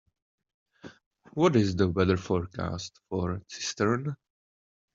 What is the weather forecast for Cistern